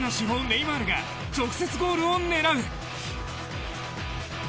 ネイマールが直接ゴールを狙う。